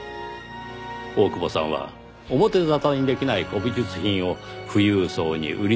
大久保さんは表沙汰にできない古美術品を富裕層に売りさばく仲介者だった。